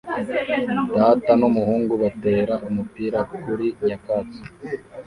Data n'Umuhungu batera umupira kuri nyakatsi